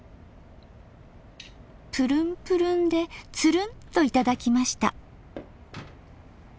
プルンプルンでツルンと頂きました。